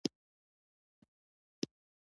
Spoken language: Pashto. په لوړو درو کې واورې پرتې وې.